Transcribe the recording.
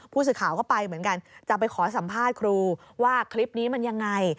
ผู้สื่อข่าวก็ไปเหมือนกันจะไปขอสัมภาษณ์ครูว่าคลิปนี้มันยังไง